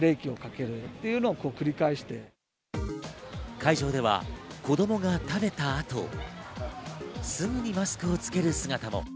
会場では子供が食べた後、すぐにマスクをつける姿も。